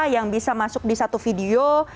yang bisa masuk di satu video